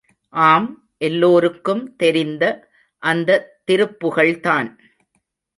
ஆம் எல்லோருக்கும் தெரிந்த அந்த திருப்புகழ்தான்.